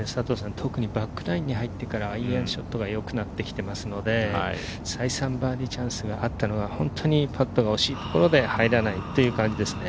特にバックナインに入ってからはアイアンショットが良くなってきていますので、再三バーディーチャンスがあったのがパットが惜しいところで入らないという感じですね。